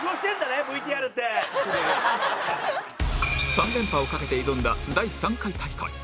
３連覇を懸けて挑んだ第３回大会